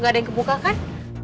gak ada yang kebuka kan